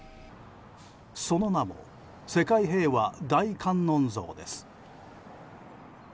その名も世界平和大観音像です。